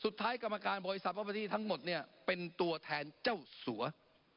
สุดท้ายกรรมการบริษัทปฏิทั้งหมดเนี่ยเป็นตัวแทนเจ้าสัวร์